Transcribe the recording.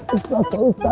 yang beri uang kepadanya